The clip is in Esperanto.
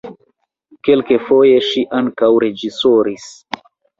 Kelkfoje ŝi ankaŭ reĝisoris.